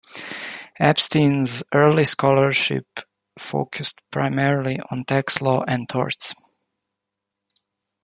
Epstein's early scholarship focused primarily on tax law and torts.